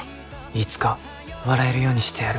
いつか笑えるようにしてやる。